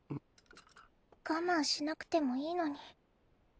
我慢しなくてもいいのに。